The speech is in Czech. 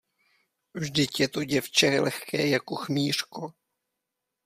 Vždyť je to děvče lehké jako chmýřko.